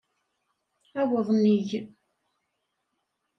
Aweḍ nnig.